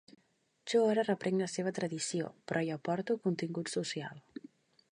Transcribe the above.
Jo ara reprenc la seva tradició però hi aporto contingut social.